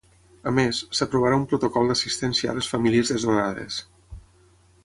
A més, s’aprovarà un protocol d’assistència a les famílies desnonades.